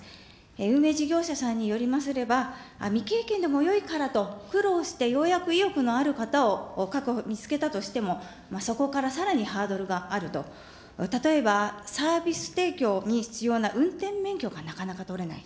運営事業者さんによりますれば、未経験でもよいからと苦労してようやく意欲のある方を確保、見つけたとしても、そこからさらにハードルがあると、例えばサービス提供に必要な運転免許がなかなか取れない。